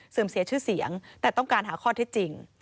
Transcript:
เสียชื่อเสียงแต่ต้องการหาข้อเท็จจริง